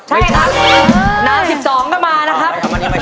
ใช่ครับน้ำ๑๒ก็มานะครับ